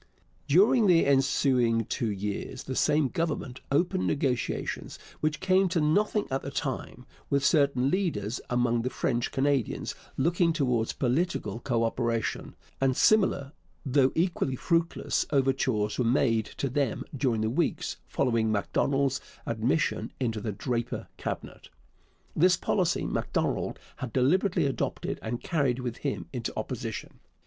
During the ensuing two years the same Government opened negotiations (which came to nothing at the time) with certain leaders among the French Canadians looking towards political co operation, and similar though equally fruitless overtures were made to them during the weeks following Macdonald's admission into the Draper Cabinet. This policy Macdonald had deliberately adopted and carried with him into Opposition.